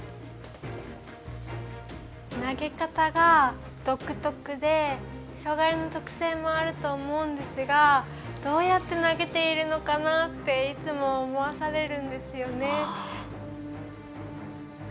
投げ方が独特で障害の特性もあると思うんですがどうやって投げているのかなっていつも思わされるんですよね。